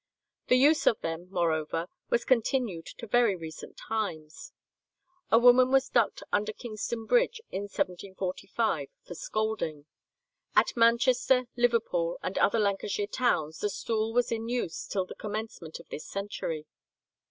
The use of them, moreover, was continued to very recent times. A woman was ducked under Kingston Bridge in 1745 for scolding. At Manchester, Liverpool, and other Lancashire towns the stool was in use till the commencement of this century.